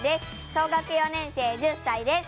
小学４年生１０歳です。